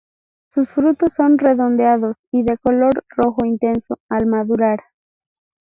Sus frutos son redondeados y de color rojo intenso al madurar.